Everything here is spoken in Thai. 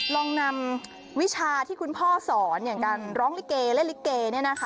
ลองนำวิชาที่คุณพ่อสอนอย่างการร้องลิเกเล่นลิเก